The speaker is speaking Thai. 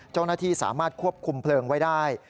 เจ้าหน้าที่สามารถควบคุมเพลิงไว้ได้